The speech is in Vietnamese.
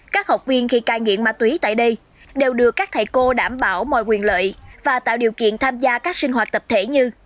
các học viên khi cai nghiện ma túy tại đây đều được các thầy cô đảm bảo mọi quyền lợi và tạo điều kiện tham gia các sinh hoạt tập thể như